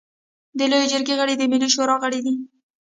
د لويې جرګې غړي د ملي شورا غړي دي.